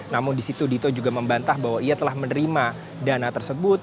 namun disitu adhito juga membantah bahwa ia telah menerima dana tersebut